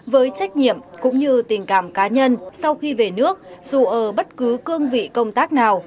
với trách nhiệm cũng như tình cảm cá nhân sau khi về nước dù ở bất cứ cương vị công tác nào